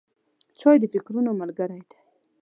چای د فکرونو ملګری دی.